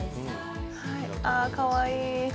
はいあかわいい。